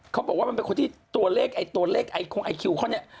เขาบอกว่ามันเป็นคนที่ตัวเลขไอ้ตัวเลขไอคงไอคิวเขาเนี่ย